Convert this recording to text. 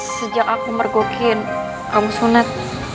sejak aku mergokin kamu sunet